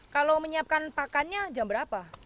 kalau menyiapkan pakannya jam berapa